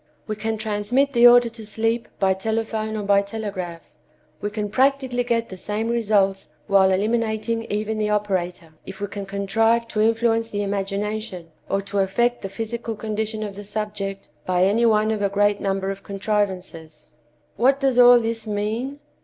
We can transmit the order to sleep by telephone or by telegraph. We can practically get the same results while eliminating even the operator, if we can contrive to influence the imagination or to affect the physical condition of the subject by any one of a great number of contrivances. "What does all this mean?